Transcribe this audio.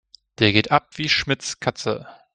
Der geht ab wie Schmitz' Katze.